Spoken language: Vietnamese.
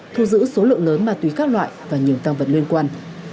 thu giữ số lượng lớn ma túy khác loại và những tăng vật liên quan